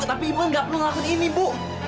tapi ibu enggak perlu lakukan ini ibu